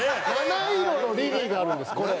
七色のリリーがあるんですこれ。